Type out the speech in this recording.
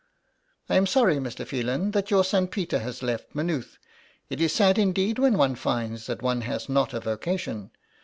" I am sorry, Mr. Phelan, that your son Peter has left Maynooth. It is sad indeed when one finds that one has not a vocation.